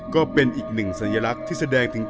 ก็เป็นอีกหนึ่งสัญลักษณ์ที่แสดงถึง